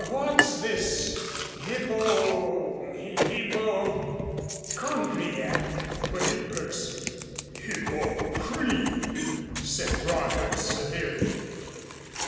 What's this Hippo hippo " "Chondriac!" put in Percy. "Hippocrene," said Broadhurst severely.